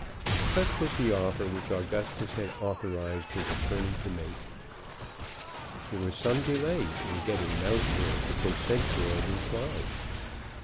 Such was the offer which Augustus had authorized his attorney to make. There was some delay in getting Mountjoy to consent to a reply.